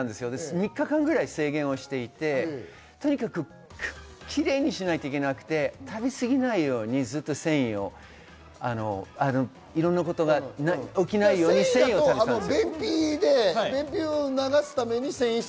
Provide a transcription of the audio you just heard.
３日間ぐらい制限していてキレイにしないといけなくて、食べ過ぎないようにずっと繊維をいろんなことが起きないように繊維をとっていたんです。